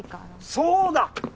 そうだ！